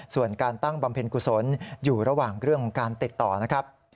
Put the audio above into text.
ส่วนการตั้งบำเพ็ญกุศลอยู่ระหว่างเรื่องของการติดต่อนะครับ